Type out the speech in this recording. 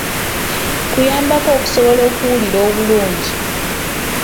Kuyambako okusobola okuwulira obulungi.